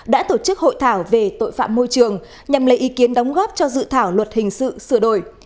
đã tổ chức hội thảo về tội phạm môi trường nhằm lấy ý kiến đóng góp cho dự thảo luật hình sự sửa đổi